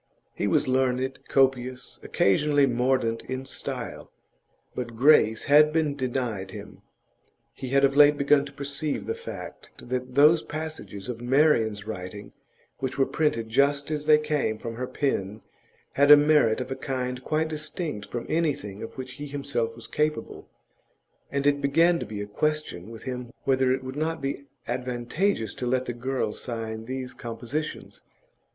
He was learned, copious, occasionally mordant in style; but grace had been denied to him. He had of late begun to perceive the fact that those passages of Marian's writing which were printed just as they came from her pen had merit of a kind quite distinct from anything of which he himself was capable, and it began to be a question with him whether it would not be advantageous to let the girl sign these compositions.